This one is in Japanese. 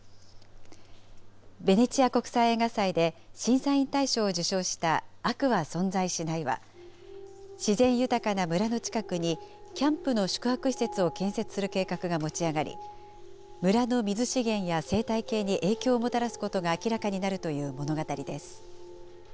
ベネチア国際映画祭で、審査員大賞を受賞した悪は存在しないは、自然豊かな村の近くに、キャンプの宿泊施設を建設する計画が持ち上がり、村の水資源や生態系に影響をもたらすことが明らかになるという物語です。